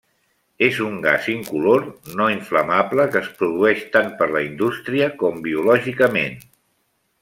És un gas incolor no inflamable que es produeix tant per la indústria com biològicament.